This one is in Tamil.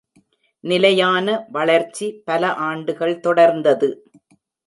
நிலையான வளர்ச்சி பல ஆண்டுகள் தொடர்ந்தது.